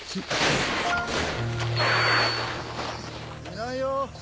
いないよ。